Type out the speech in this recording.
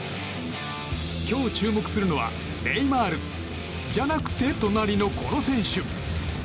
今日、注目するのはネイマールじゃなくて隣のこの選手。